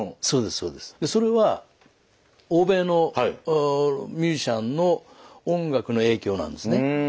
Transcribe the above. それは欧米のミュージシャンの音楽の影響なんですね。